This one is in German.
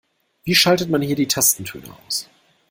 Wie schaltet man hier die Tastentöne aus?